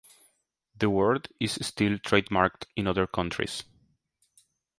The word is still trademarked in other countries.